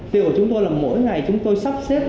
điều của chúng tôi là mỗi ngày chúng tôi sắp xếp